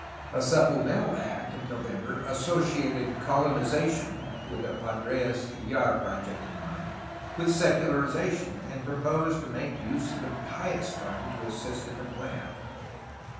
A supplemental act of November associated colonization (with the Padres Hljar project in mind) with secularization, and proposed to make use of the Pious Fund to assist in the plan!